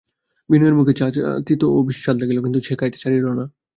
বিনয়ের মুখে চা তিতো ও বিস্বাদ লাগিল, কিন্তু সে খাইতে ছাড়িল না।